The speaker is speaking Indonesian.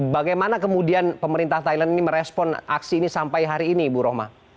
bagaimana kemudian pemerintah thailand ini merespon aksi ini sampai hari ini ibu roma